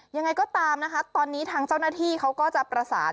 ยังไงก็ตามนะคะตอนนี้ทางเจ้าหน้าที่เขาก็จะประสาน